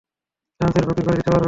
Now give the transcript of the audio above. লাঞ্চের বুকিং করে দিতে পারবে?